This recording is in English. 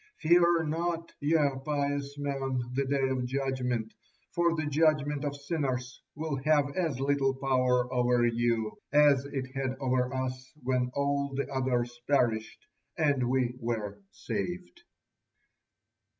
Fear not, ye pious men, the Day of Judgement, for the judgement of sinners will have as little power over you as it had over us when all the others perished and we were saved."